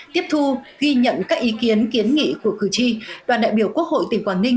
tiếp thu ghi nhận các ý kiến kiến nghị của cử tri đoàn đại biểu quốc hội tỉnh quảng ninh